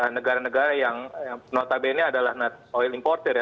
negara negara yang notabene adalah oil importer ya